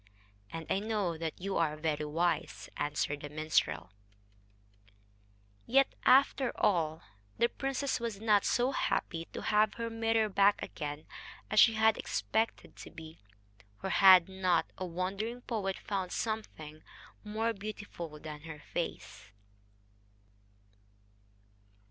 "And I know that you are very wise," answered the minstrel. Yet, after all, the princess was not so happy to have her mirror back again as she had expected to be; for had not a wandering poet found something more beautiful than her face!